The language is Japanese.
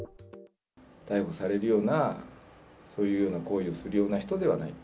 逮捕されるような、そういうような行為をするような人ではないと。